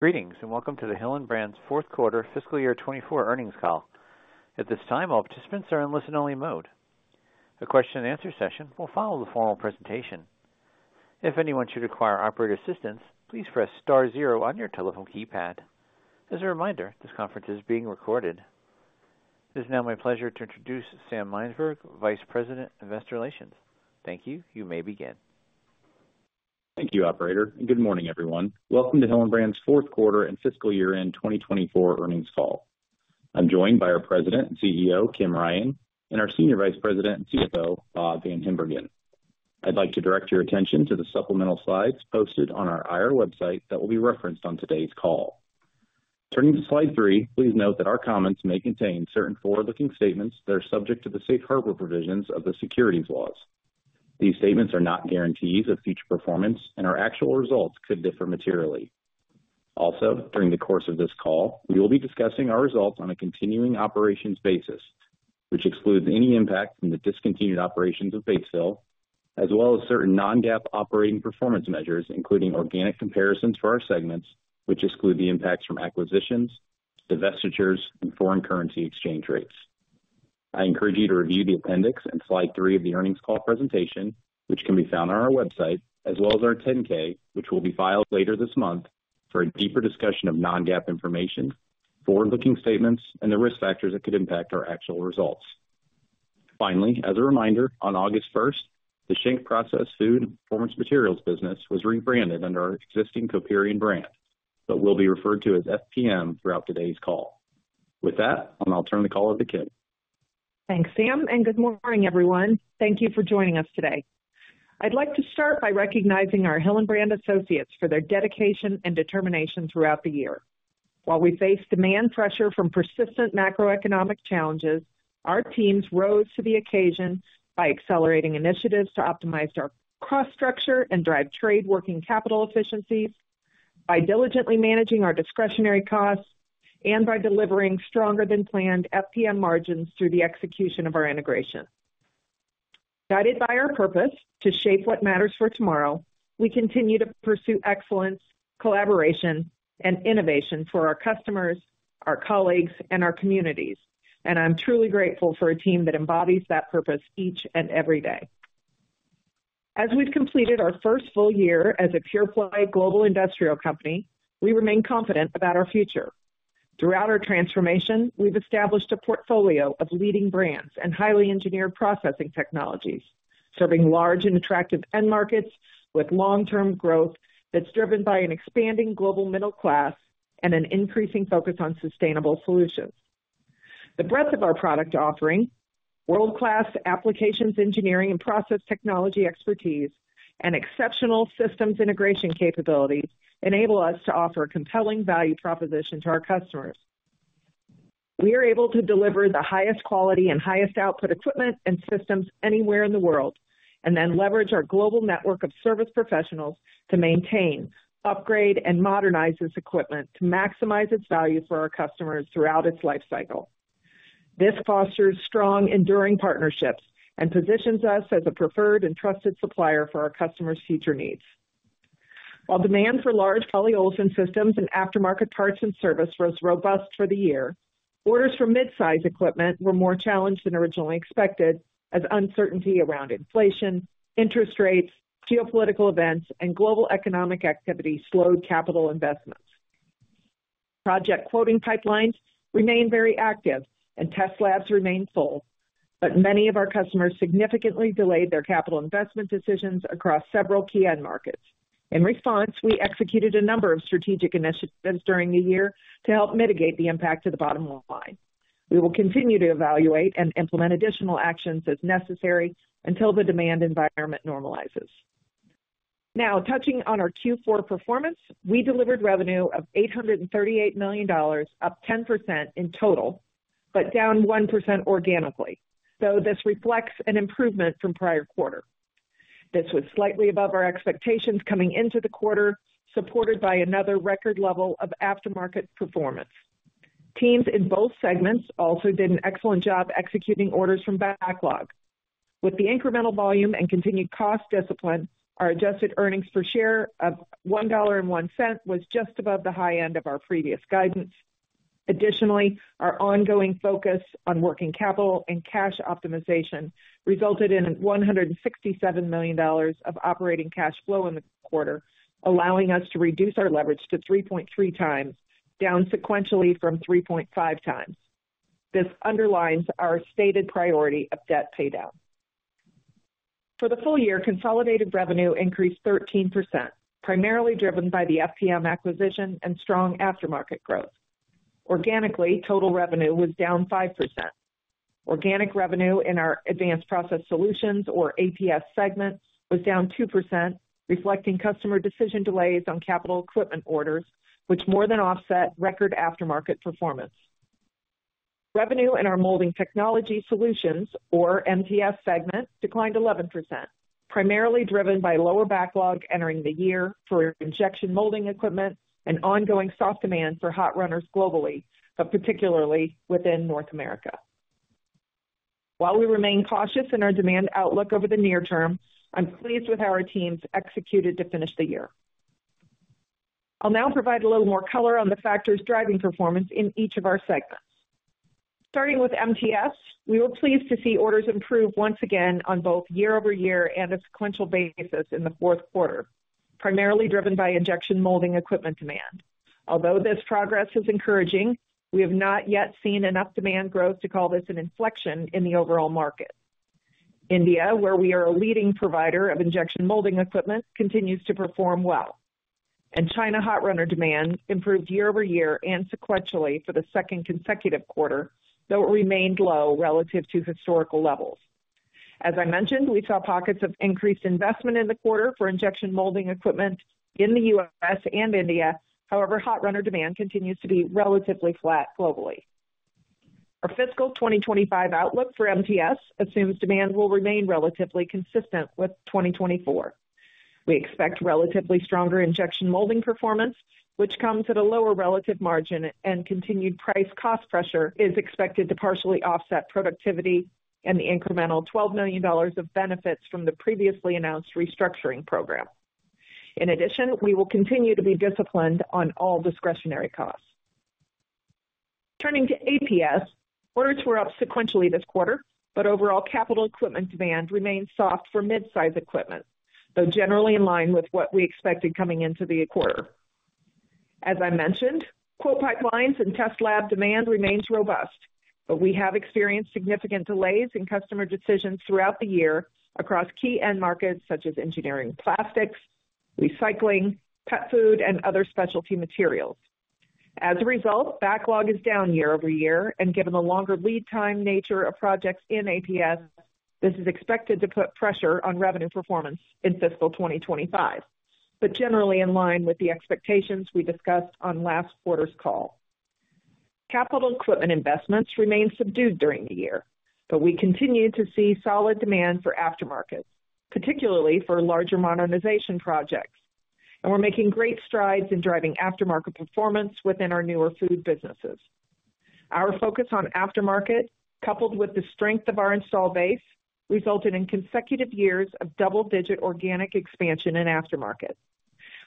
Greetings and welcome to the Hillenbrand's Fourth Quarter Fiscal Year 2024 Earnings Call. At this time, all participants are in listen-only mode. The question-and-answer session will follow the formal presentation. If anyone should require operator assistance, please press star zero on your telephone keypad. As a reminder, this conference is being recorded. It is now my pleasure to introduce Sam Mynsberge, Vice President, Investor Relations. Thank you. You may begin. Thank you, Operator. Good morning, everyone. Welcome to Hillenbrand's Fourth Quarter and Fiscal Year-End 2024 Earnings Call. I'm joined by our President and CEO, Kim Ryan, and our Senior Vice President and CFO, Bob VanHimbergen. I'd like to direct your attention to the supplemental slides posted on our IR website that will be referenced on today's call. Turning to slide three, please note that our comments may contain certain forward-looking statements that are subject to the safe harbor provisions of the securities laws. These statements are not guarantees of future performance, and our actual results could differ materially. Also, during the course of this call, we will be discussing our results on a continuing operations basis, which excludes any impact from the discontinued operations of Batesville, as well as certain non-GAAP operating performance measures, including organic comparisons for our segments, which exclude the impacts from acquisitions, divestitures, and foreign currency exchange rates. I encourage you to review the appendix and slide three of the earnings call presentation, which can be found on our website, as well as our 10-K, which will be filed later this month for a deeper discussion of non-GAAP information, forward-looking statements, and the risk factors that could impact our actual results. Finally, as a reminder, on August 1st, the Schenck Process Food and Performance Materials business was rebranded under our existing Coperion brand, but will be referred to as FPM throughout today's call. With that, I'll now turn the call over to Kim. Thanks, Sam, and good morning, everyone. Thank you for joining us today. I'd like to start by recognizing our Hillenbrand associates for their dedication and determination throughout the year. While we face demand pressure from persistent macroeconomic challenges, our teams rose to the occasion by accelerating initiatives to optimize our cost structure and drive trade working capital efficiencies, by diligently managing our discretionary costs, and by delivering stronger-than-planned FPM margins through the execution of our integration. Guided by our purpose to shape what matters for tomorrow, we continue to pursue excellence, collaboration, and innovation for our customers, our colleagues, and our communities, and I'm truly grateful for a team that embodies that purpose each and every day. As we've completed our first full year as a pure-play global industrial company, we remain confident about our future. Throughout our transformation, we've established a portfolio of leading brands and highly engineered processing technologies, serving large and attractive end markets with long-term growth that's driven by an expanding global middle class and an increasing focus on sustainable solutions. The breadth of our product offering, world-class applications engineering and process technology expertise, and exceptional systems integration capabilities enable us to offer a compelling value proposition to our customers. We are able to deliver the highest quality and highest output equipment and systems anywhere in the world and then leverage our global network of service professionals to maintain, upgrade, and modernize this equipment to maximize its value for our customers throughout its lifecycle. This fosters strong, enduring partnerships and positions us as a preferred and trusted supplier for our customers' future needs. While demand for large polyolefin systems and aftermarket parts and service was robust for the year, orders for midsize equipment were more challenged than originally expected as uncertainty around inflation, interest rates, geopolitical events, and global economic activity slowed capital investments. Project quoting pipelines remain very active and test labs remain full, but many of our customers significantly delayed their capital investment decisions across several key end markets. In response, we executed a number of strategic initiatives during the year to help mitigate the impact to the bottom line. We will continue to evaluate and implement additional actions as necessary until the demand environment normalizes. Now, touching on our Q4 performance, we delivered revenue of $838 million, up 10% in total, but down 1% organically. So this reflects an improvement from prior quarter. This was slightly above our expectations coming into the quarter, supported by another record level of aftermarket performance. Teams in both segments also did an excellent job executing orders from backlog. With the incremental volume and continued cost discipline, our adjusted earnings per share of $1.01 was just above the high end of our previous guidance. Additionally, our ongoing focus on working capital and cash optimization resulted in $167 million of operating cash flow in the quarter, allowing us to reduce our leverage to 3.3x, down sequentially from 3.5x. This underlines our stated priority of debt paydown. For the full year, consolidated revenue increased 13%, primarily driven by the FPM acquisition and strong aftermarket growth. Organically, total revenue was down 5%. Organic revenue in our Advanced Process Solutions, or APS segments, was down 2%, reflecting customer decision delays on capital equipment orders, which more than offset record aftermarket performance. Revenue in our Molding Technology Solutions, or MTS segment, declined 11%, primarily driven by lower backlog entering the year for injection molding equipment and ongoing soft demand for hot runners globally, but particularly within North America. While we remain cautious in our demand outlook over the near term, I'm pleased with how our teams executed to finish the year. I'll now provide a little more color on the factors driving performance in each of our segments. Starting with MTS, we were pleased to see orders improve once again on both year-over-year and a sequential basis in the fourth quarter, primarily driven by injection molding equipment demand. Although this progress is encouraging, we have not yet seen enough demand growth to call this an inflection in the overall market. India, where we are a leading provider of injection molding equipment, continues to perform well, and China hot runner demand improved year-over-year and sequentially for the second consecutive quarter, though it remained low relative to historical levels. As I mentioned, we saw pockets of increased investment in the quarter for injection molding equipment in the U.S. and India. However, hot runner demand continues to be relatively flat globally. Our fiscal 2025 outlook for MTS assumes demand will remain relatively consistent with 2024. We expect relatively stronger injection molding performance, which comes at a lower relative margin, and continued price-cost pressure is expected to partially offset productivity and the incremental $12 million of benefits from the previously announced restructuring program. In addition, we will continue to be disciplined on all discretionary costs. Turning to APS, orders were up sequentially this quarter, but overall capital equipment demand remains soft for midsize equipment, though generally in line with what we expected coming into the quarter. As I mentioned, quote pipelines and test lab demand remains robust, but we have experienced significant delays in customer decisions throughout the year across key end markets such as engineering plastics, recycling, pet food, and other specialty materials. As a result, backlog is down year-over-year, and given the longer lead time nature of projects in APS, this is expected to put pressure on revenue performance in fiscal 2025, but generally in line with the expectations we discussed on last quarter's call. Capital equipment investments remain subdued during the year, but we continue to see solid demand for aftermarkets, particularly for larger modernization projects, and we're making great strides in driving aftermarket performance within our newer food businesses. Our focus on aftermarket, coupled with the strength of our install base, resulted in consecutive years of double-digit organic expansion in aftermarket.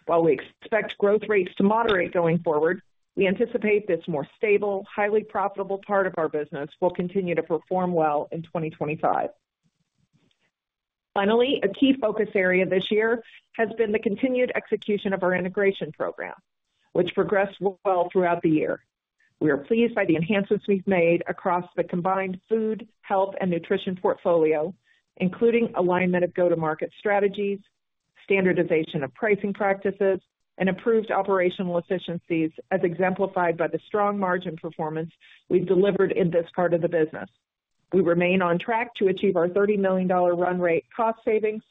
While we expect growth rates to moderate going forward, we anticipate this more stable, highly profitable part of our business will continue to perform well in 2025. Finally, a key focus area this year has been the continued execution of our integration program, which progressed well throughout the year. We are pleased by the enhancements we've made across the combined Food, Health & Nutrition portfolio, including alignment of go-to-market strategies, standardization of pricing practices, and improved operational efficiencies as exemplified by the strong margin performance we've delivered in this part of the business. We remain on track to achieve our $30 million run rate cost savings,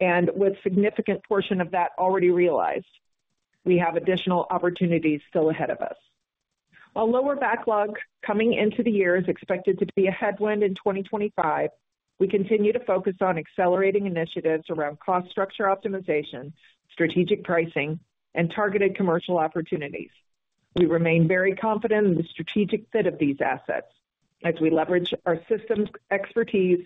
and with a significant portion of that already realized, we have additional opportunities still ahead of us. While lower backlog coming into the year is expected to be a headwind in 2025, we continue to focus on accelerating initiatives around cost structure optimization, strategic pricing, and targeted commercial opportunities. We remain very confident in the strategic fit of these assets as we leverage our systems expertise,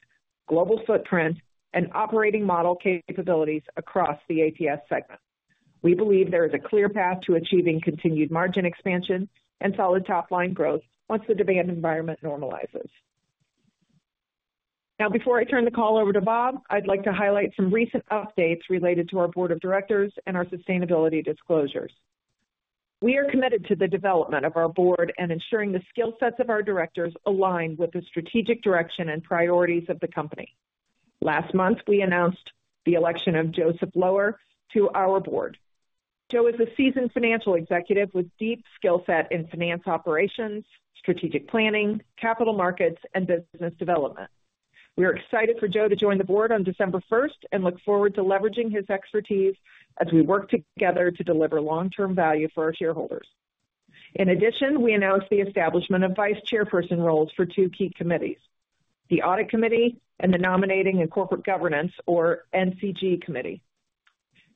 global footprint, and operating model capabilities across the APS segment. We believe there is a clear path to achieving continued margin expansion and solid top-line growth once the demand environment normalizes. Now, before I turn the call over to Bob, I'd like to highlight some recent updates related to our Board of Directors and our sustainability disclosures. We are committed to the development of our Board and ensuring the skill sets of our directors align with the strategic direction and priorities of the company. Last month, we announced the election of Joseph Lower to our Board. Joe is a seasoned financial executive with deep skill set in finance operations, strategic planning, capital markets, and business development. We are excited for Joe to join the Board on December 1st and look forward to leveraging his expertise as we work together to deliver long-term value for our shareholders. In addition, we announced the establishment of vice chairperson roles for two key committees: the Audit Committee and the Nominating and Corporate Governance, or NCG Committee.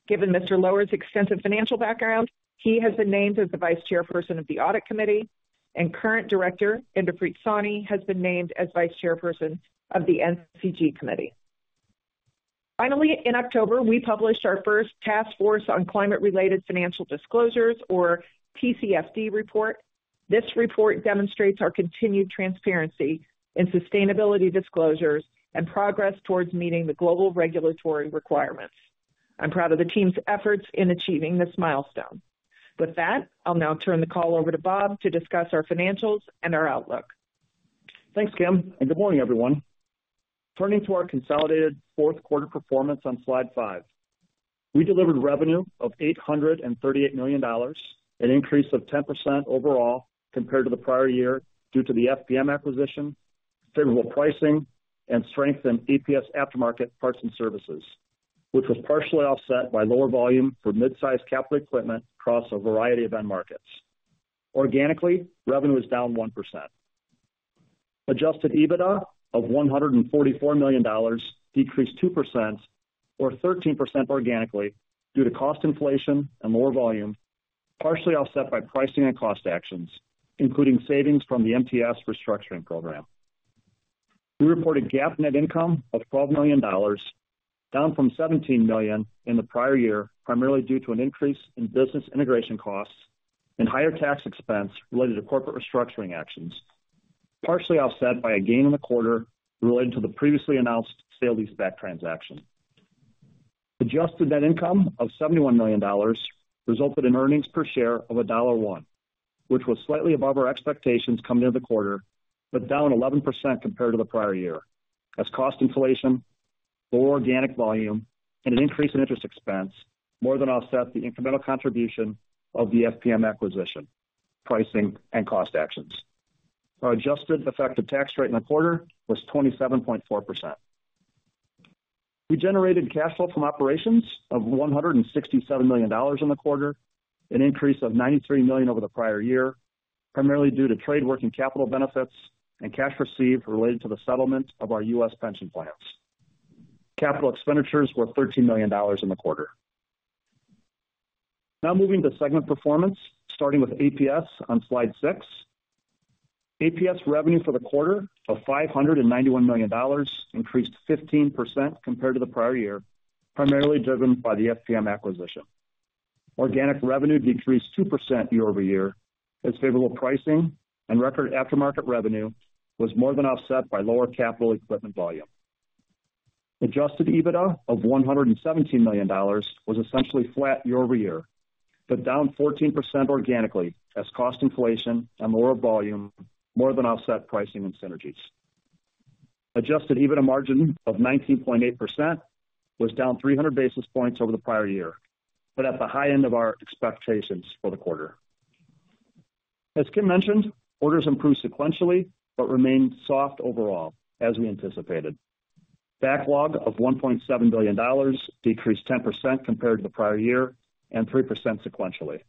Given Mr. Lower's extensive financial background, he has been named as the Vice Chairperson of the Audit Committee, and current Director, Inderpreet Sawhney, has been named as Vice Chairperson of the NCG Committee. Finally, in October, we published our first Task Force on Climate-related Financial Disclosures, or TCFD report. This report demonstrates our continued transparency in sustainability disclosures and progress towards meeting the global regulatory requirements. I'm proud of the team's efforts in achieving this milestone. With that, I'll now turn the call over to Bob to discuss our financials and our outlook. Thanks, Kim, and good morning, everyone. Turning to our consolidated fourth quarter performance on slide five, we delivered revenue of $838 million, an increase of 10% overall compared to the prior year due to the FPM acquisition, favorable pricing, and strength in APS aftermarket parts and services, which was partially offset by lower volume for midsize capital equipment across a variety of end markets. Organically, revenue is down 1%. Adjusted EBITDA of $144 million decreased 2%, or 13% organically, due to cost inflation and lower volume, partially offset by pricing and cost actions, including savings from the MTS restructuring program. We reported GAAP net income of $12 million, down from $17 million in the prior year, primarily due to an increase in business integration costs and higher tax expense related to corporate restructuring actions, partially offset by a gain in the quarter related to the previously announced sale-leaseback transaction. Adjusted net income of $71 million resulted in earnings per share of $1.01, which was slightly above our expectations coming into the quarter, but down 11% compared to the prior year as cost inflation, lower organic volume, and an increase in interest expense more than offset the incremental contribution of the FPM acquisition, pricing, and cost actions. Our adjusted effective tax rate in the quarter was 27.4%. We generated cash flow from operations of $167 million in the quarter, an increase of $93 million over the prior year, primarily due to trade working capital benefits and cash received related to the settlement of our U.S. pension plans. Capital expenditures were $13 million in the quarter. Now moving to segment performance, starting with APS on slide six. APS revenue for the quarter of $591 million increased 15% compared to the prior year, primarily driven by the FPM acquisition. Organic revenue decreased 2% year-over-year as favorable pricing and record aftermarket revenue was more than offset by lower capital equipment volume. Adjusted EBITDA of $117 million was essentially flat year-over-year, but down 14% organically as cost inflation and lower volume more than offset pricing and synergies. Adjusted EBITDA margin of 19.8% was down 300 basis points over the prior year, but at the high end of our expectations for the quarter. As Kim mentioned, orders improved sequentially but remained soft overall as we anticipated. Backlog of $1.7 billion decreased 10% compared to the prior year and 3% sequentially.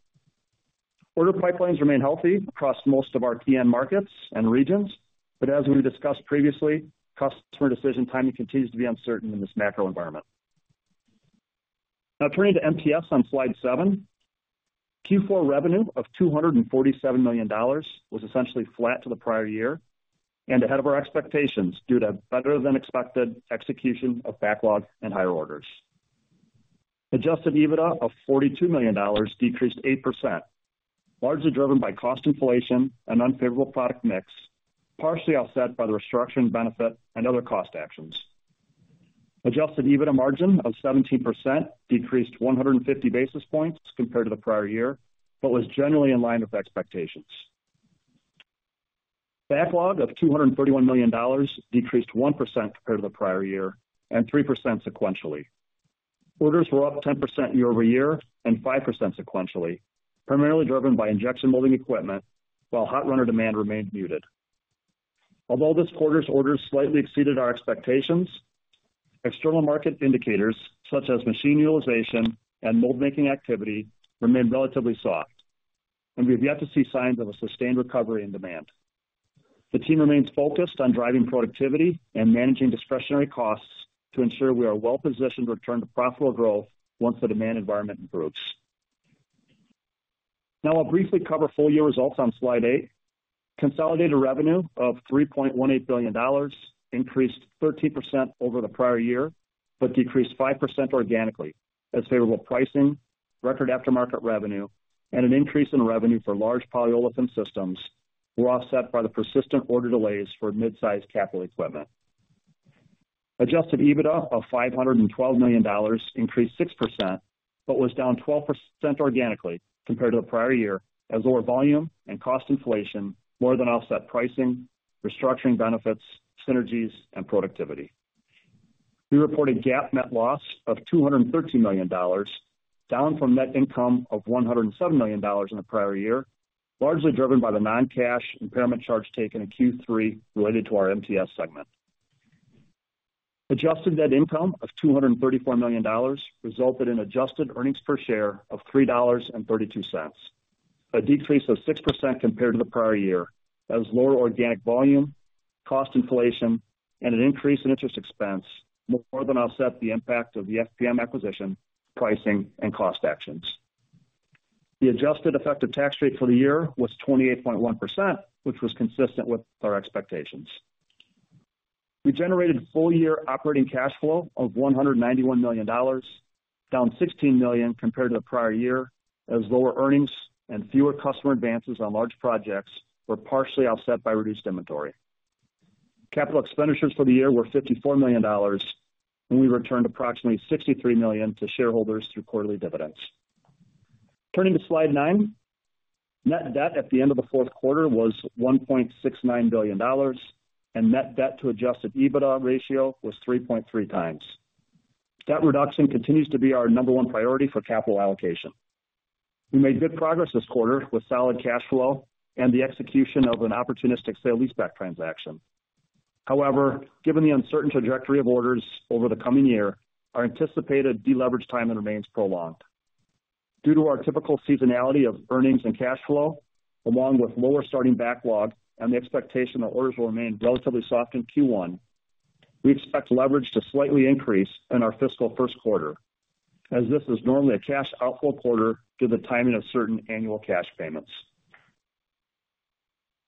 Order pipelines remain healthy across most of our key end markets and regions, but as we discussed previously, customer decision timing continues to be uncertain in this macro environment. Now turning to MTS on slide seven, Q4 revenue of $247 million was essentially flat to the prior year and ahead of our expectations due to better-than-expected execution of backlog and higher orders. Adjusted EBITDA of $42 million decreased 8%, largely driven by cost inflation and unfavorable product mix, partially offset by the restructuring benefit and other cost actions. Adjusted EBITDA margin of 17% decreased 150 basis points compared to the prior year, but was generally in line with expectations. Backlog of $231 million decreased 1% compared to the prior year and 3% sequentially. Orders were up 10% year-over-year and 5% sequentially, primarily driven by injection molding equipment, while hot runner demand remained muted. Although this quarter's orders slightly exceeded our expectations, external market indicators such as machine utilization and mold-making activity remain relatively soft, and we have yet to see signs of a sustained recovery in demand. The team remains focused on driving productivity and managing discretionary costs to ensure we are well-positioned to return to profitable growth once the demand environment improves. Now I'll briefly cover full-year results on slide eight. Consolidated revenue of $3.18 billion increased 13% over the prior year, but decreased 5% organically as favorable pricing, record aftermarket revenue, and an increase in revenue for large polyolefin systems were offset by the persistent order delays for midsize capital equipment. Adjusted EBITDA of $512 million increased 6%, but was down 12% organically compared to the prior year as lower volume and cost inflation more than offset pricing, restructuring benefits, synergies, and productivity. We reported GAAP net loss of $213 million, down from net income of $107 million in the prior year, largely driven by the non-cash impairment charge taken in Q3 related to our MTS segment. Adjusted net income of $234 million resulted in adjusted earnings per share of $3.32, a decrease of 6% compared to the prior year as lower organic volume, cost inflation, and an increase in interest expense more than offset the impact of the FPM acquisition, pricing, and cost actions. The adjusted effective tax rate for the year was 28.1%, which was consistent with our expectations. We generated full-year operating cash flow of $191 million, down $16 million compared to the prior year as lower earnings and fewer customer advances on large projects were partially offset by reduced inventory. Capital expenditures for the year were $54 million, and we returned approximately $63 million to shareholders through quarterly dividends. Turning to slide nine, net debt at the end of the fourth quarter was $1.69 billion, and net debt to adjusted EBITDA ratio was 3.3x. Debt reduction continues to be our number one priority for capital allocation. We made good progress this quarter with solid cash flow and the execution of an opportunistic sale-leaseback transaction. However, given the uncertain trajectory of orders over the coming year, our anticipated deleverage time remains prolonged. Due to our typical seasonality of earnings and cash flow, along with lower starting backlog and the expectation that orders will remain relatively soft in Q1, we expect leverage to slightly increase in our fiscal first quarter, as this is normally a cash outflow quarter due to the timing of certain annual cash payments.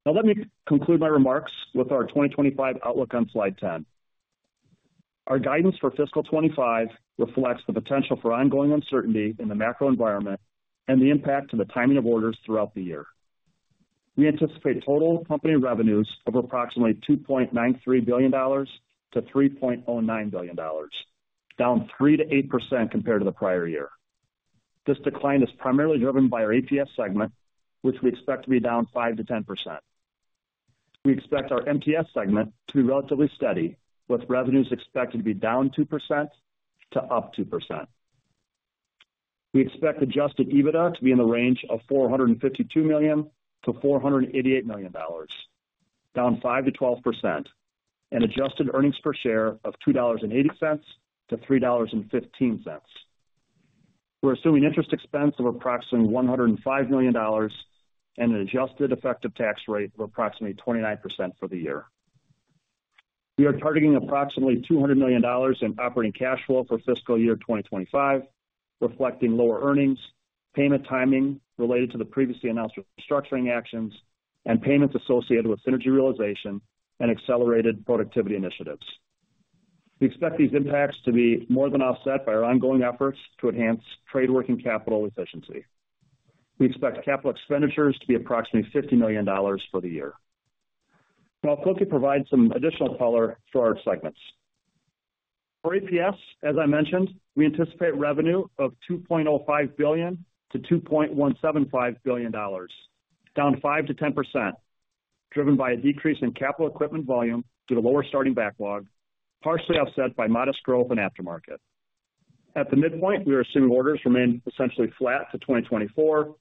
Now let me conclude my remarks with our 2025 outlook on slide 10. Our guidance for fiscal 2025 reflects the potential for ongoing uncertainty in the macro environment and the impact of the timing of orders throughout the year. We anticipate total company revenues of approximately $2.93 billion-$3.09 billion, down 3%-8% compared to the prior year. This decline is primarily driven by our APS segment, which we expect to be down 5%-10%. We expect our MTS segment to be relatively steady, with revenues expected to be down 2% to up 2%. We expect adjusted EBITDA to be in the range of $452 million-$488 million, down 5%-12%, and adjusted earnings per share of $2.80-$3.15. We're assuming interest expense of approximately $105 million and an adjusted effective tax rate of approximately 29% for the year. We are targeting approximately $200 million in operating cash flow for fiscal year 2025, reflecting lower earnings, payment timing related to the previously announced restructuring actions, and payments associated with synergy realization and accelerated productivity initiatives. We expect these impacts to be more than offset by our ongoing efforts to enhance trade working capital efficiency. We expect capital expenditures to be approximately $50 million for the year. Now I'll quickly provide some additional color for our segments. For APS, as I mentioned, we anticipate revenue of $2.05 billion-$2.175 billion, down 5%-10%, driven by a decrease in capital equipment volume due to lower starting backlog, partially offset by modest growth in aftermarket. At the midpoint, we are assuming orders remain essentially flat to 2024,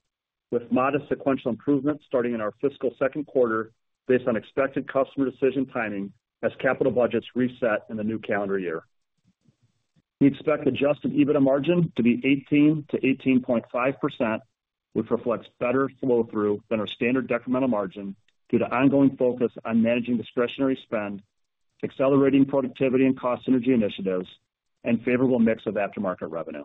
with modest sequential improvements starting in our fiscal second quarter based on expected customer decision timing as capital budgets reset in the new calendar year. We expect adjusted EBITDA margin to be 18%-18.5%, which reflects better flow-through than our standard decremental margin due to ongoing focus on managing discretionary spend, accelerating productivity and cost synergy initiatives, and favorable mix of aftermarket revenue.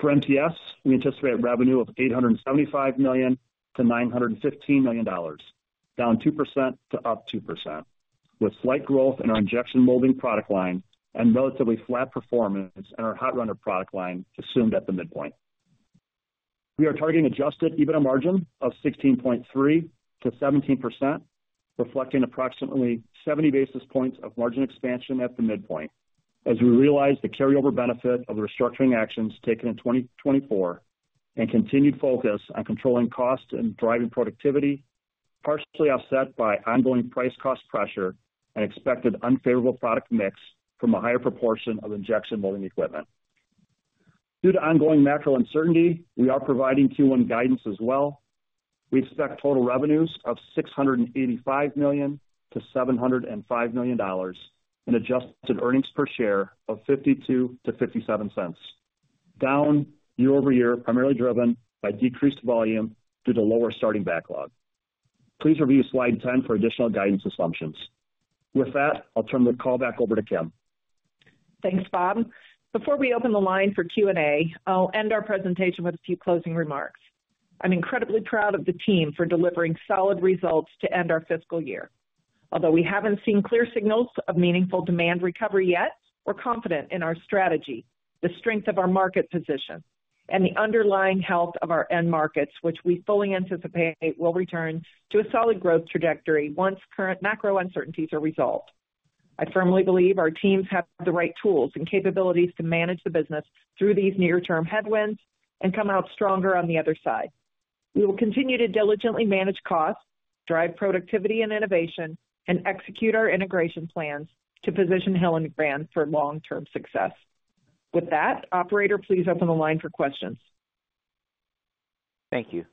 For MTS, we anticipate revenue of $875 million-$915 million, down 2% to up 2%, with slight growth in our injection molding product line and relatively flat performance in our hot runner product line assumed at the midpoint. We are targeting adjusted EBITDA margin of 16.3%-17%, reflecting approximately 70 basis points of margin expansion at the midpoint, as we realize the carryover benefit of the restructuring actions taken in 2024 and continued focus on controlling cost and driving productivity, partially offset by ongoing price-cost pressure and expected unfavorable product mix from a higher proportion of injection molding equipment. Due to ongoing macro uncertainty, we are providing Q1 guidance as well. We expect total revenues of $685 million-$705 million and adjusted earnings per share of $0.52-$0.57, down year-over-year, primarily driven by decreased volume due to lower starting backlog. Please review slide 10 for additional guidance assumptions. With that, I'll turn the call back over to Kim. Thanks, Bob. Before we open the line for Q&A, I'll end our presentation with a few closing remarks. I'm incredibly proud of the team for delivering solid results to end our fiscal year. Although we haven't seen clear signals of meaningful demand recovery yet, we're confident in our strategy, the strength of our market position, and the underlying health of our end markets, which we fully anticipate will return to a solid growth trajectory once current macro uncertainties are resolved. I firmly believe our teams have the right tools and capabilities to manage the business through these near-term headwinds and come out stronger on the other side. We will continue to diligently manage costs, drive productivity and innovation, and execute our integration plans to position Hillenbrand for long-term success. With that, Operator, please open the line for questions. Thank you.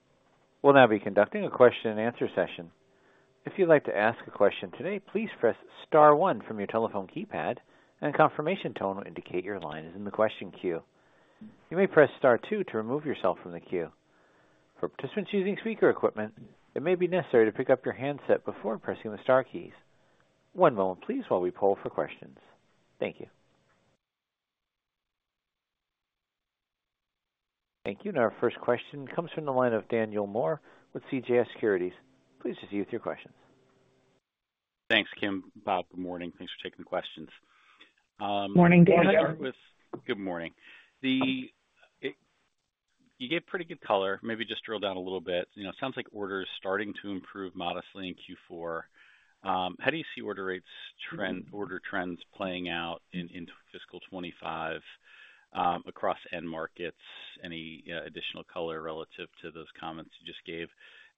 We'll now be conducting a question-and-answer session. If you'd like to ask a question today, please press star one from your telephone keypad, and a confirmation tone will indicate your line is in the question queue. You may press star two to remove yourself from the queue. For participants using speaker equipment, it may be necessary to pick up your handset before pressing the star keys. One moment, please, while we poll for questions. Thank you. Thank you. Now our first question comes from the line of Daniel Moore with CJS Securities. Please proceed with your questions. Thanks, Kim. Bob, good morning. Thanks for taking the questions. Morning, Daniel. Good morning. You gave pretty good color. Maybe just drill down a little bit. You know, it sounds like orders starting to improve modestly in Q4. How do you see order rates trend, order trends playing out in fiscal 2025 across end markets? Any additional color relative to those comments you just gave?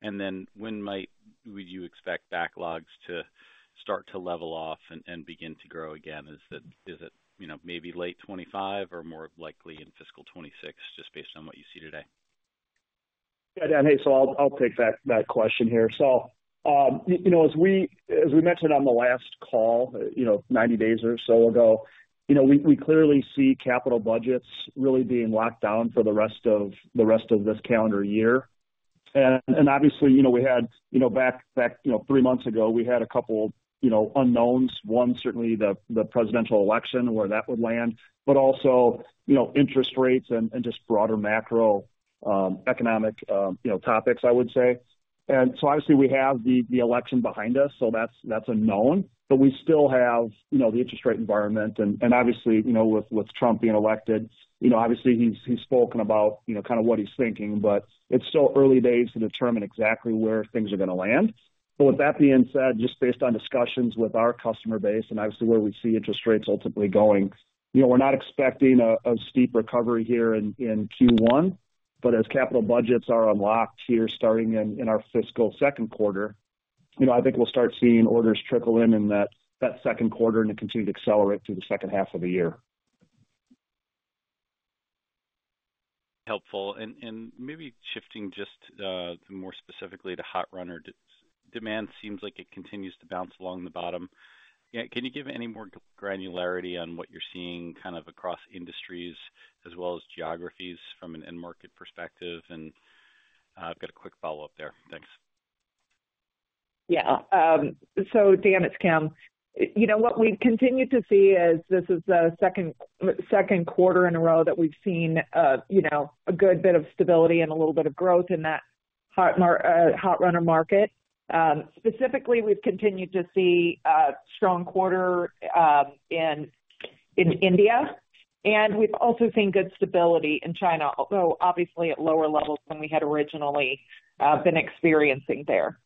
And then when would you expect backlogs to start to level off and begin to grow again? Is it, you know, maybe late 2025 or more likely in fiscal 2026, just based on what you see today? Yeah, Daniel, so I'll take that question here. So, you know, as we mentioned on the last call, you know, 90 days or so ago, you know, we clearly see capital budgets really being locked down for the rest of this calendar year. And obviously, you know, we had, you know, back, you know, three months ago, we had a couple, you know, unknowns. One, certainly the presidential election, where that would land, but also, you know, interest rates and just broader macroeconomic, you know, topics, I would say. And so obviously we have the election behind us, so that's a known, but we still have, you know, the interest rate environment. And obviously, you know, with Trump being elected, you know, obviously he's spoken about, you know, kind of what he's thinking, but it's still early days to determine exactly where things are going to land. But with that being said, just based on discussions with our customer base and obviously where we see interest rates ultimately going, you know, we're not expecting a steep recovery here in Q1, but as capital budgets are unlocked here starting in our fiscal second quarter, you know, I think we'll start seeing orders trickle in in that second quarter and continue to accelerate through the second half of the year. Helpful. And maybe shifting just more specifically to hot runner, demand seems like it continues to bounce along the bottom. Can you give any more granularity on what you're seeing kind of across industries as well as geographies from an end market perspective? And I've got a quick follow-up there. Thanks. Yeah. So, Dan, it's Kim. You know, what we've continued to see is this is the second quarter in a row that we've seen, you know, a good bit of stability and a little bit of growth in that hot runner market. Specifically, we've continued to see a strong quarter in India, and we've also seen good stability in China, although obviously at lower levels than we had originally been experiencing there.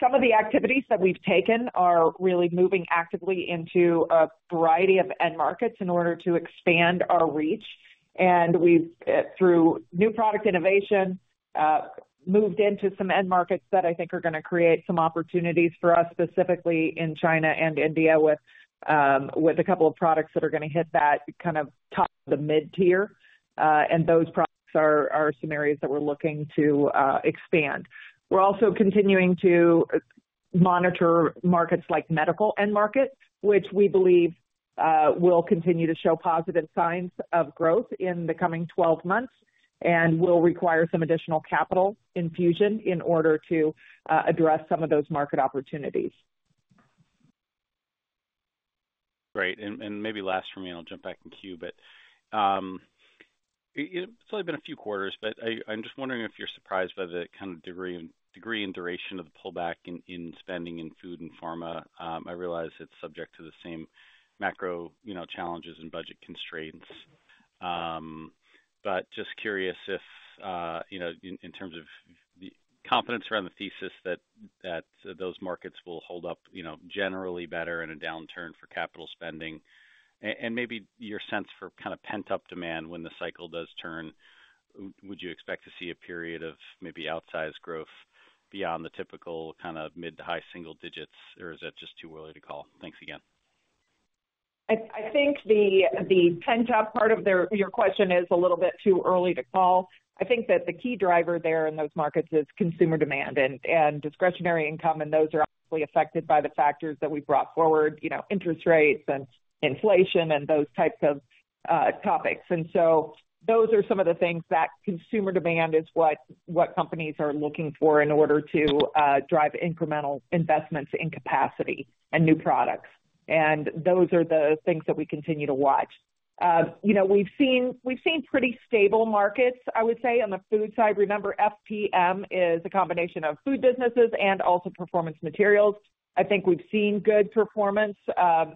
Some of the activities that we've taken are really moving actively into a variety of end markets in order to expand our reach, and we've, through new product innovation, moved into some end markets that I think are going to create some opportunities for us, specifically in China and India, with a couple of products that are going to hit that kind of top of the mid-tier, and those products are some areas that we're looking to expand. We're also continuing to monitor markets like medical end markets, which we believe will continue to show positive signs of growth in the coming 12 months and will require some additional capital infusion in order to address some of those market opportunities. Great. And maybe last for me, and I'll jump back in queue, but it's only been a few quarters, but I'm just wondering if you're surprised by the kind of degree and duration of the pullback in spending in food and pharma? I realize it's subject to the same macro challenges and budget constraints, but just curious if, you know, in terms of the confidence around the thesis that those markets will hold up, you know, generally better in a downturn for capital spending and maybe your sense for kind of pent-up demand when the cycle does turn, would you expect to see a period of maybe outsized growth beyond the typical kind of mid to high single digits, or is that just too early to call? Thanks again. I think the pent-up part of your question is a little bit too early to call. I think that the key driver there in those markets is consumer demand and discretionary income, and those are obviously affected by the factors that we brought forward, you know, interest rates and inflation and those types of topics. And so those are some of the things that consumer demand is what companies are looking for in order to drive incremental investments in capacity and new products. And those are the things that we continue to watch. You know, we've seen pretty stable markets, I would say, on the food side. Remember, FPM is a combination of food businesses and also performance materials. I think we've seen good performance,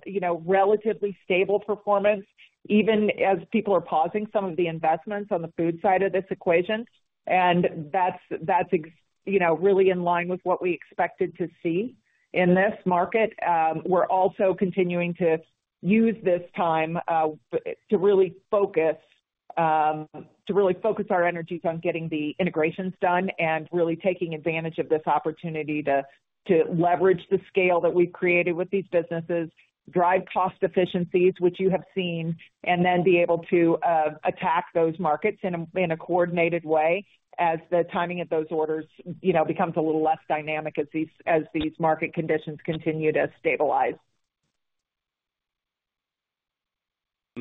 you know, relatively stable performance, even as people are pausing some of the investments on the food side of this equation. And that's, you know, really in line with what we expected to see in this market. We're also continuing to use this time to really focus, to really focus our energies on getting the integrations done and really taking advantage of this opportunity to leverage the scale that we've created with these businesses, drive cost efficiencies, which you have seen, and then be able to attack those markets in a coordinated way as the timing of those orders, you know, becomes a little less dynamic as these market conditions continue to stabilize.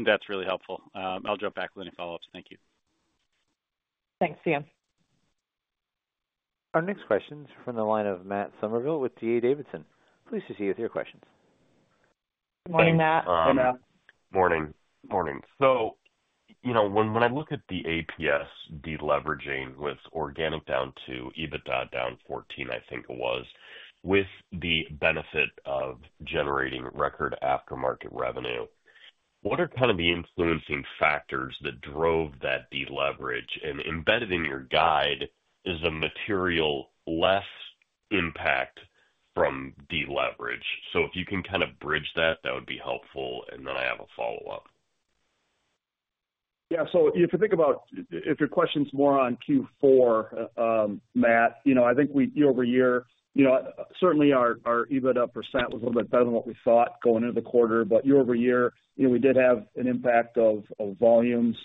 That's really helpful. I'll jump back with any follow-ups. Thank you. Thanks, Dan. Our next question is from the line of Matt Summerville with D.A. Davidson. Please proceed with your questions. Good morning, Matt. Morning. Morning. You know, when I look at the APS deleveraging with organic down to EBITDA down 14%, I think it was, with the benefit of generating record aftermarket revenue, what are kind of the influencing factors that drove that deleverage? And embedded in your guide is a materially less impact from deleverage. So if you can kind of bridge that, that would be helpful. And then I have a follow-up. Yeah, so if you think about, if your question's more on Q4, Matt, you know, I think we, year over year, you know, certainly our EBITDA percent was a little bit better than what we thought going into the quarter, but year-over-year, you know, we did have an impact of volumes.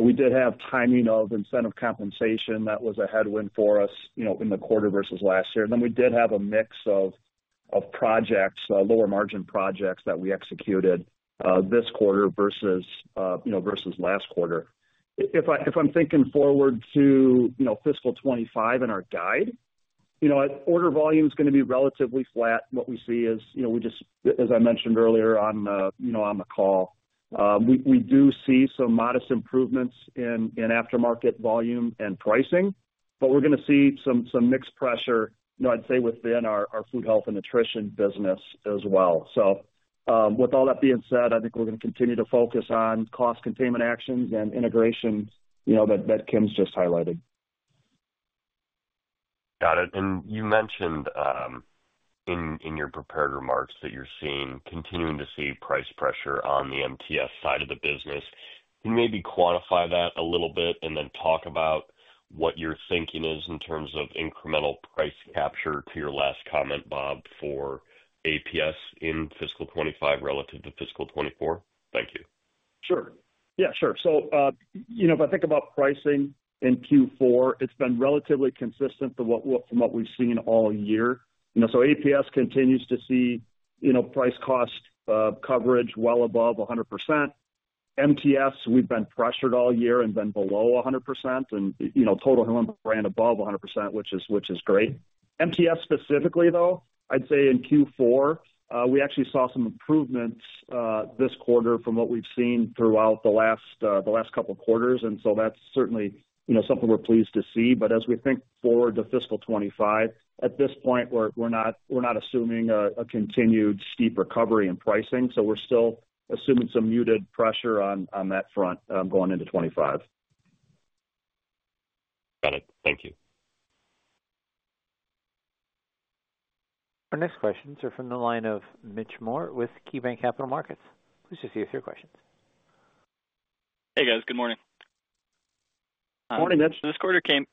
We did have timing of incentive compensation that was a headwind for us, you know, in the quarter versus last year. And then we did have a mix of projects, lower margin projects that we executed this quarter versus, you know, versus last quarter. If I'm thinking forward to, you know, fiscal 2025 in our guide, you know, order volume is going to be relatively flat. What we see is, you know, we just, as I mentioned earlier on, you know, on the call, we do see some modest improvements in aftermarket volume and pricing, but we're going to see some mixed pressure, you know, I'd say within our Food, Health & Nutrition business as well. So with all that being said, I think we're going to continue to focus on cost containment actions and integration, you know, that Kim's just highlighted. Got it. And you mentioned in your prepared remarks that you're seeing, continuing to see price pressure on the MTS side of the business. Can you maybe quantify that a little bit and then talk about what your thinking is in terms of incremental price capture to your last comment, Bob, for APS in fiscal 2025 relative to fiscal 2024? Thank you. Sure. Yeah, sure. So, you know, if I think about pricing in Q4, it's been relatively consistent from what we've seen all year. You know, so APS continues to see, you know, price cost coverage well above 100%. MTS, we've been pressured all year and been below 100% and, you know, total Hillenbrand above 100%, which is great. MTS specifically, though, I'd say in Q4, we actually saw some improvements this quarter from what we've seen throughout the last couple of quarters. And so that's certainly, you know, something we're pleased to see. But as we think forward to fiscal 2025, at this point, we're not assuming a continued steep recovery in pricing. So we're still assuming some muted pressure on that front going into 2025. Got it. Thank you. Our next questions are from the line of Mitch Moore with KeyBanc Capital Markets. Please proceed with your questions. Hey, guys. Good morning. Good morning. This quarter came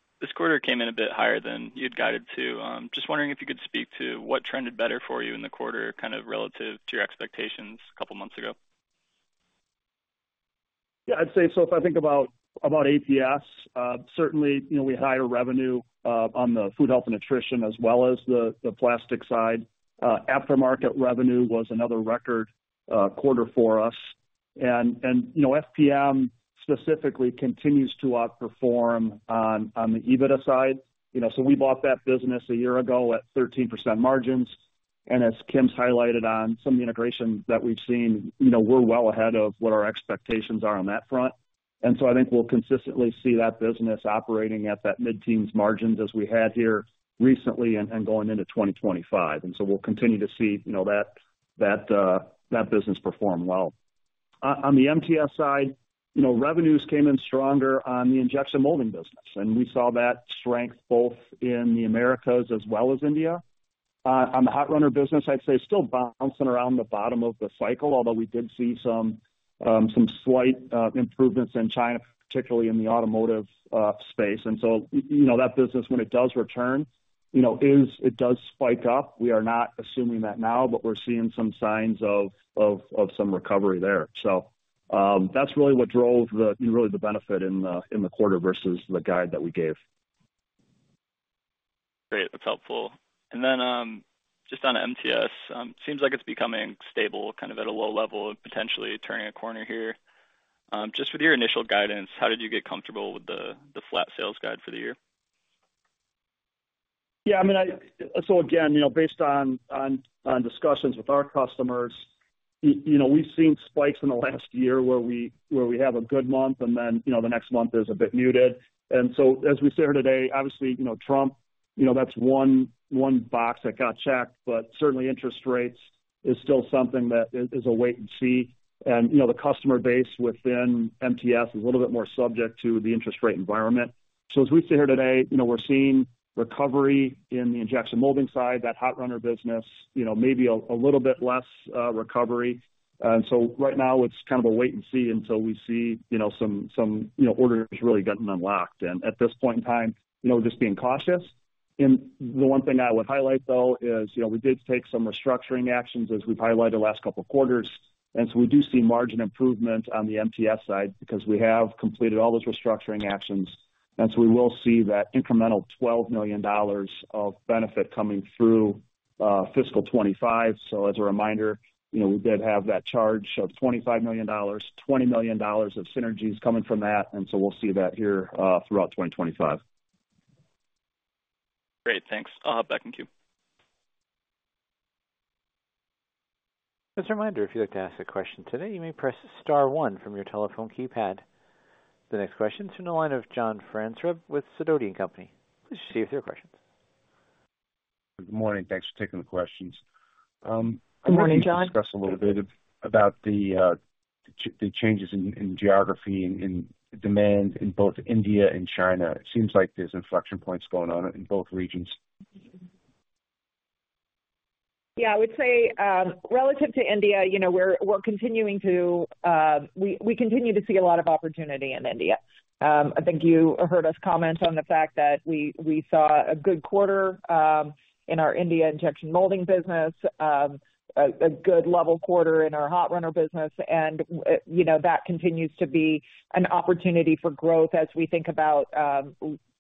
in a bit higher than you'd guided to. Just wondering if you could speak to what trended better for you in the quarter kind of relative to your expectations a couple of months ago. Yeah, I'd say so. If I think about APS, certainly, you know, we had higher revenue on the Food, Health & Nutrition as well as the plastic side. Aftermarket revenue was another record quarter for us. And, you know, FPM specifically continues to outperform on the EBITDA side. You know, so we bought that business a year ago at 13% margins. And as Kim's highlighted on some of the integration that we've seen, you know, we're well ahead of what our expectations are on that front. And so I think we'll consistently see that business operating at that mid-teens margins as we had here recently and going into 2025. And so we'll continue to see, you know, that business perform well. On the MTS side, you know, revenues came in stronger on the injection molding business. And we saw that strength both in the Americas as well as India. On the hot runner business, I'd say still bouncing around the bottom of the cycle, although we did see some slight improvements in China, particularly in the automotive space. And so, you know, that business, when it does return, you know, it does spike up. We are not assuming that now, but we're seeing some signs of some recovery there. So that's really what drove the, you know, really the benefit in the quarter versus the guide that we gave. Great. That's helpful. And then just on MTS, it seems like it's becoming stable kind of at a low level and potentially turning a corner here. Just with your initial guidance, how did you get comfortable with the flat sales guide for the year? Yeah, I mean, so again, you know, based on discussions with our customers, you know, we've seen spikes in the last year where we have a good month and then, you know, the next month is a bit muted. And so as we sit here today, obviously, you know, Trump, you know, that's one box that got checked, but certainly interest rates is still something that is a wait and see. You know, the customer base within MTS is a little bit more subject to the interest rate environment. So as we sit here today, you know, we're seeing recovery in the injection molding side, that hot runner business, you know, maybe a little bit less recovery. And so right now, it's kind of a wait and see until we see, you know, some, you know, orders really getting unlocked. And at this point in time, you know, we're just being cautious. And the one thing I would highlight, though, is, you know, we did take some restructuring actions as we've highlighted the last couple of quarters. And so we do see margin improvement on the MTS side because we have completed all those restructuring actions. And so we will see that incremental $12 million of benefit coming through fiscal 2025. So as a reminder, you know, we did have that charge of $25 million, $20 million of synergies coming from that. And so we'll see that here throughout 2025. Great. Thanks. I'll hop back in queue. As a reminder, if you'd like to ask a question today, you may press star one from your telephone keypad. The next question is from the line of John Franzreb with Sidoti & Company. Please proceed with your questions. Good morning. Thanks for taking the questions. Good morning, John. I'd like to discuss a little bit about the changes in geography and demand in both India and China. It seems like there's inflection points going on in both regions. Yeah, I would say relative to India, you know, we're continuing to, we continue to see a lot of opportunity in India. I think you heard us comment on the fact that we saw a good quarter in our India injection molding business, a good level quarter in our hot runner business, and, you know, that continues to be an opportunity for growth as we think about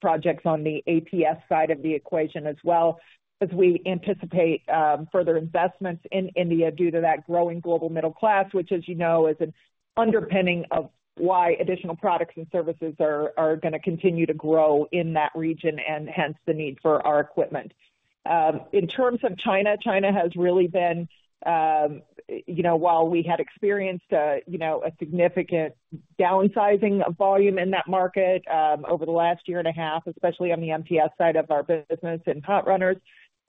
projects on the APS side of the equation as well, as we anticipate further investments in India due to that growing global middle class, which, as you know, is an underpinning of why additional products and services are going to continue to grow in that region and hence the need for our equipment. In terms of China, China has really been, you know, while we had experienced, you know, a significant downsizing of volume in that market over the last year and a half, especially on the MTS side of our business and hot runners,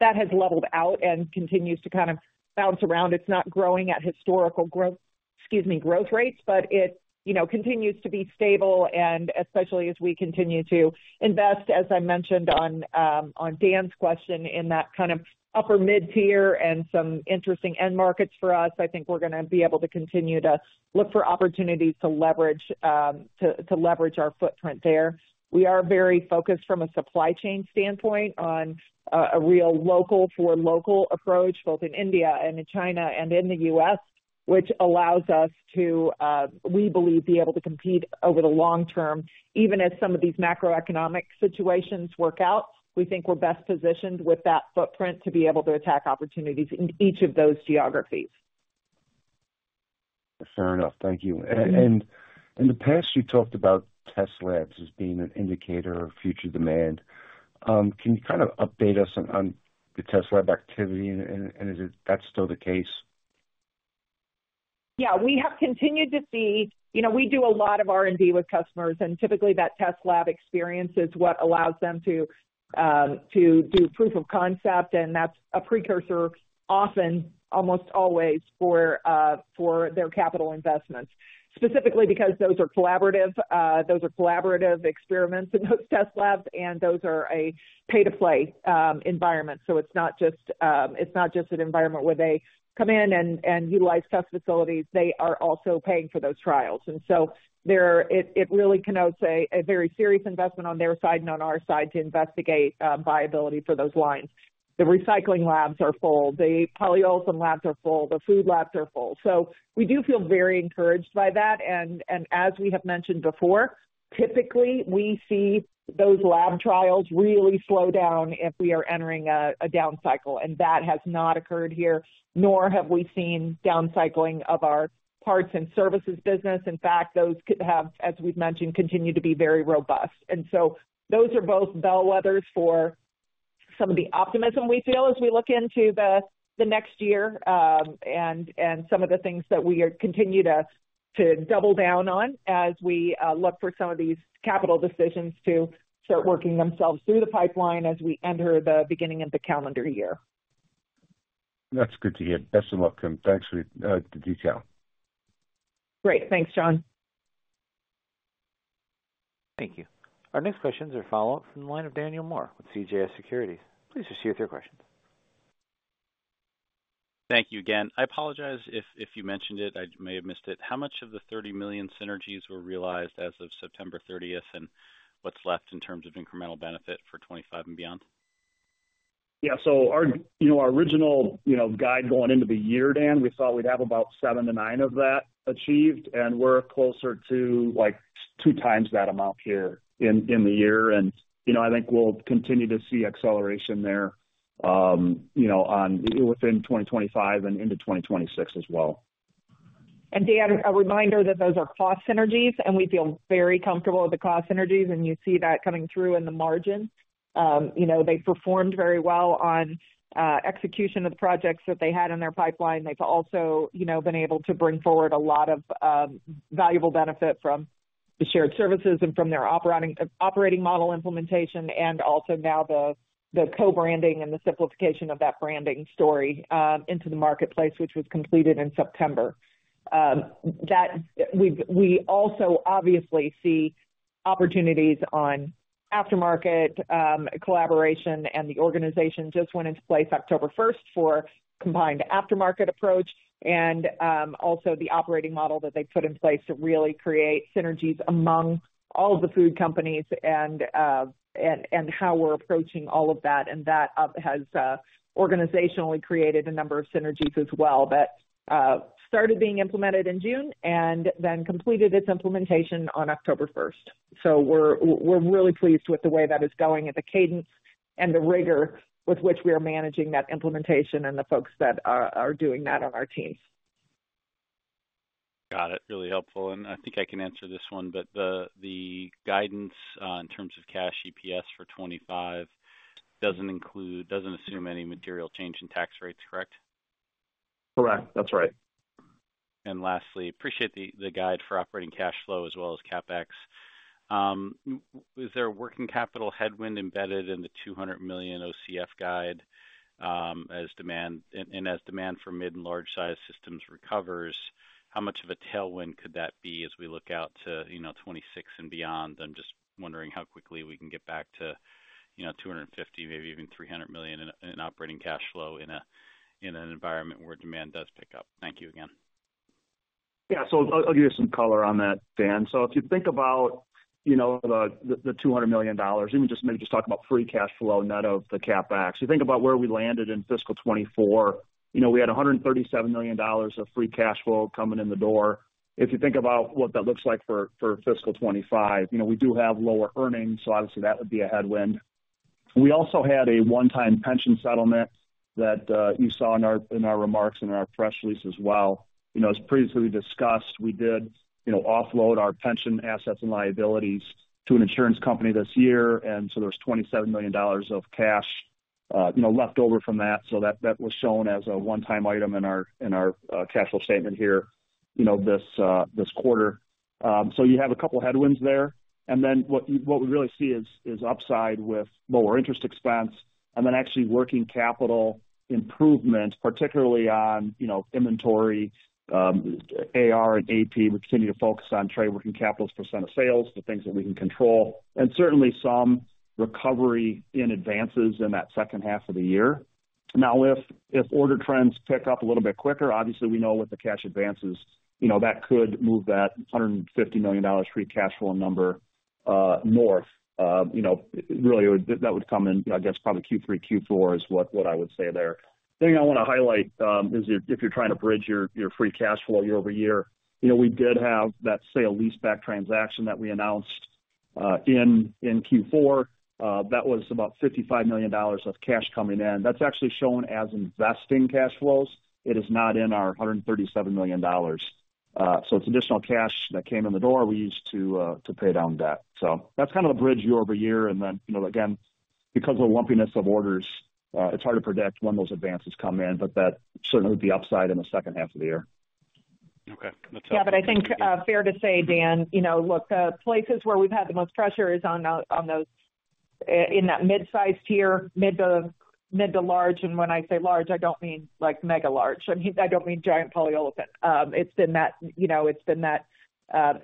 that has leveled out and continues to kind of bounce around. It's not growing at historical growth, excuse me, growth rates, but it, you know, continues to be stable, and especially as we continue to invest, as I mentioned on Dan's question, in that kind of upper mid-tier and some interesting end markets for us, I think we're going to be able to continue to look for opportunities to leverage our footprint there. We are very focused from a supply chain standpoint on a real local for local approach, both in India and in China and in the U.S., which allows us to, we believe, be able to compete over the long term, even as some of these macroeconomic situations work out. We think we're best positioned with that footprint to be able to attack opportunities in each of those geographies. Fair enough. Thank you. And in the past, you talked about test labs as being an indicator of future demand. Can you kind of update us on the test lab activity? And is that still the case? Yeah, we have continued to see, you know, we do a lot of R&D with customers. And typically that test lab experience is what allows them to do proof of concept. That's a precursor often, almost always for their capital investments, specifically because those are collaborative experiments in those test lab, and those are a pay-to-play environment. It's not just an environment where they come in and utilize test facilities. They are also paying for those trials. And so it really is a notice of a very serious investment on their side and on our side to investigate viability for those lines. The recycling labs are full. The polyolefin labs are full. The food labs are full. We do feel very encouraged by that. As we have mentioned before, typically we see those lab trials really slow down if we are entering a down cycle. That has not occurred here, nor have we seen down cycling of our parts and services business. In fact, those have, as we've mentioned, continued to be very robust. And so those are both bellwethers for some of the optimism we feel as we look into the next year and some of the things that we continue to double down on as we look for some of these capital decisions to start working themselves through the pipeline as we enter the beginning of the calendar year. That's good to hear. Best of luck. And thanks for the detail. Great. Thanks, John. Thank you. Our next questions are follow-up from the line of Daniel Moore with CJS Securities. Please proceed with your questions. Thank you again. I apologize if you mentioned it. I may have missed it. How much of the $30 million synergies were realized as of September 30th and what's left in terms of incremental benefit for 2025 and beyond? Yeah. So, you know, our original guide going into the year, Dan, we thought we'd have about seven to nine of that achieved. And we're closer to like two times that amount here in the year. And, you know, I think we'll continue to see acceleration there, you know, within 2025 and into 2026 as well. And, Dan, a reminder that those are cost synergies. And we feel very comfortable with the cost synergies. And you see that coming through in the margins. You know, they performed very well on execution of the projects that they had in their pipeline. They've also, you know, been able to bring forward a lot of valuable benefit from the shared services and from their operating model implementation and also now the co-branding and the simplification of that branding story into the marketplace, which was completed in September. That we also obviously see opportunities on aftermarket collaboration. And the organization just went into place October 1st for a combined aftermarket approach and also the operating model that they put in place to really create synergies among all of the food companies and how we're approaching all of that. And that has organizationally created a number of synergies as well that started being implemented in June and then completed its implementation on October 1st. So we're really pleased with the way that is going at the cadence and the rigor with which we are managing that implementation and the folks that are doing that on our teams. Got it. Really helpful. And I think I can answer this one, but the guidance in terms of cash EPS for 2025 doesn't include, doesn't assume any material change in tax rates, correct? Correct. That's right. And lastly, appreciate the guide for operating cash flow as well as CapEx. Is there a working capital headwind embedded in the $200 million OCF guide as demand for mid and large size systems recovers? How much of a tailwind could that be as we look out to, you know, 2026 and beyond? I'm just wondering how quickly we can get back to, you know, $250 million, maybe even $300 million in operating cash flow in an environment where demand does pick up. Thank you again. Yeah. So I'll give you some color on that, Dan. So if you think about, you know, the $200 million, even just maybe just talk about free cash flow net of the CapEx, you think about where we landed in fiscal 2024, you know, we had $137 million of free cash flow coming in the door. If you think about what that looks like for fiscal 2025, you know, we do have lower earnings, so obviously that would be a headwind. We also had a one-time pension settlement that you saw in our remarks and in our press release as well. You know, as previously discussed, we did, you know, offload our pension assets and liabilities to an insurance company this year, and so there was $27 million of cash, you know, left over from that, so that was shown as a one-time item in our cash flow statement here, you know, this quarter, so you have a couple of headwinds there, and then what we really see is upside with lower interest expense and then actually working capital improvement, particularly on, you know, inventory, AR and AP. We continue to focus on trade working capital's percent of sales, the things that we can control, and certainly some recovery in advances in that second half of the year. Now, if order trends pick up a little bit quicker, obviously we know with the cash advances, you know, that could move that $150 million free cash flow number north. You know, really that would come in, I guess, probably Q3, Q4 is what I would say there. The thing I want to highlight is if you're trying to bridge your free cash flow year over year, you know, we did have that sale-leaseback transaction that we announced in Q4. That was about $55 million of cash coming in. That's actually shown as investing cash flows. It is not in our $137 million. So it's additional cash that came in the door we used to pay down debt. So that's kind of a bridge year over year. And then, you know, again, because of the lumpiness of orders, it's hard to predict when those advances come in, but that certainly would be upside in the second half of the year. Okay. Yeah, but I think fair to say, Dan, you know, look, the places where we've had the most pressure is on those in that mid-sized tier, mid to large. And when I say large, I don't mean like mega large. I mean, I don't mean giant polyolefin. It's been that, you know, it's been that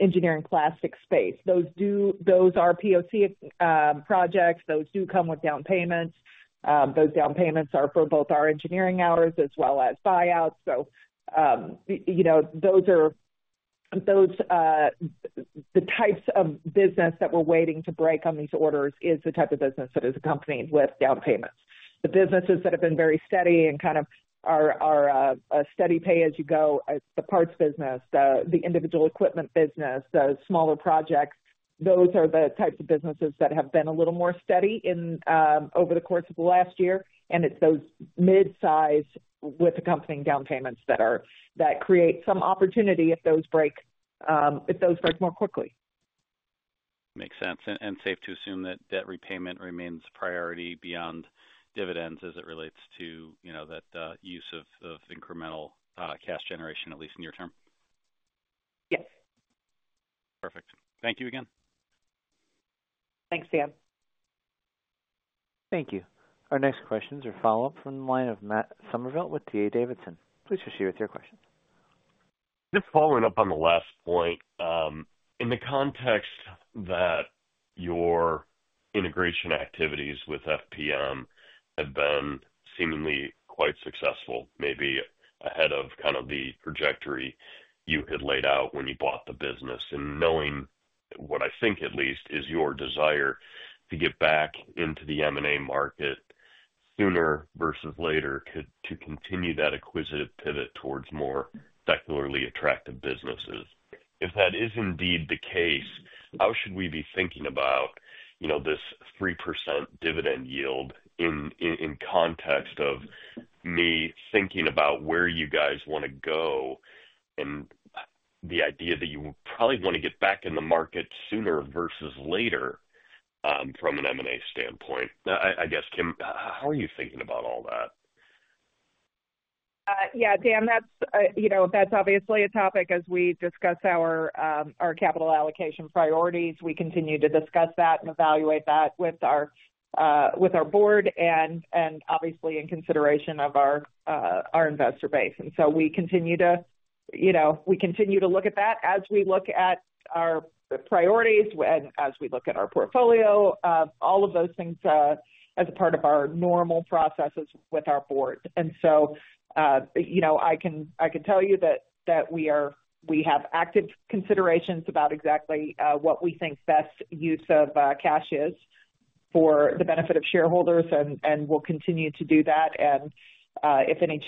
engineering plastic space. Those are POC projects. Those do come with down payments. Those down payments are for both our engineering hours as well as buyouts. So, you know, those are the types of business that we're waiting to break on these orders is the type of business that is accompanied with down payments. The businesses that have been very steady and kind of are a steady pay as you go, the parts business, the individual equipment business, the smaller projects, those are the types of businesses that have been a little more steady over the course of the last year. And it's those mid-sized with accompanying down payments that create some opportunity if those break, if those break more quickly. Makes sense. And safe to assume that debt repayment remains a priority beyond dividends as it relates to, you know, that use of incremental cash generation, at least in your term. Yes. Perfect. Thank you again. Thanks, Dan. Thank you. Our next questions are follow-up from the line of Matt Summerville with D.A. Davidson. Please proceed with your questions. Just following up on the last point, in the context that your integration activities with FPM have been seemingly quite successful, maybe ahead of kind of the trajectory you had laid out when you bought the business and knowing what I think at least is your desire to get back into the M&A market sooner versus later to continue that acquisitive pivot towards more secularly attractive businesses. If that is indeed the case, how should we be thinking about, you know, this 3% dividend yield in context of me thinking about where you guys want to go and the idea that you probably want to get back in the market sooner versus later from an M&A standpoint? I guess, Kim, how are you thinking about all that? Yeah, Dan, that's, you know, that's obviously a topic as we discuss our capital allocation priorities. We continue to discuss that and evaluate that with our Board and obviously in consideration of our investor base. And so we continue to, you know, we continue to look at that as we look at our priorities and as we look at our portfolio, all of those things as a part of our normal processes with our Board. And so, you know, I can tell you that we have active considerations about exactly what we think best use of cash is for the benefit of shareholders and we'll continue to do that. And if any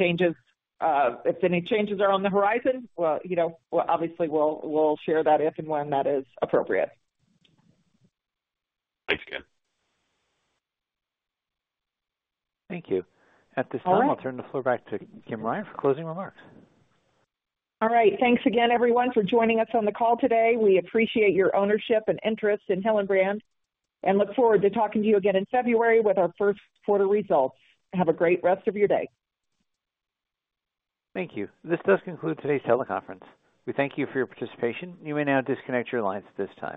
changes, if any changes are on the horizon, well, you know, obviously we'll share that if and when that is appropriate. Thanks, Kim. Thank you. At this time, I'll turn the floor back to Kim Ryan for closing remarks. All right. Thanks again, everyone, for joining us on the call today. We appreciate your ownership and interest in Hillenbrand and look forward to talking to you again in February with our first quarter results. Have a great rest of your day. Thank you. This does conclude today's teleconference. We thank you for your participation. You may now disconnect your lines at this time.